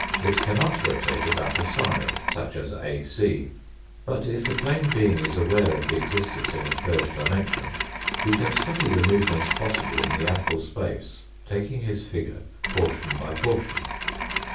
It cannot rotate about a side, such as AC. RECAPITULATION AND EXTENSION 209 But if the plane being is aware of the existence of a third dimension he can study the movements possible in the ample space, taking his figure portion by portion.